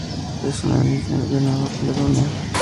Es un endemismo de Nueva Caledonia.